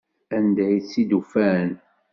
Anda ay tt-id-ufan?